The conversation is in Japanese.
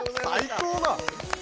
最高だ！